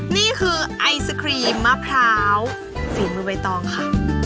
นี่คือไอศครีมมะพร้าวฝีมือใบตองค่ะ